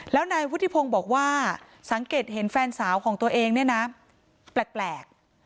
แล้วนายวุฒิพงศ์บอกว่าสังเกตเห็นแฟนสาวของตัวเองเนี่ยนะแปลก